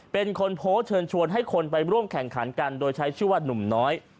เป็นคนโพสต์เชิญชวนให้คนไปร่วมแข่งขันกันโดยใช้ชื่อว่านุ่มน้อย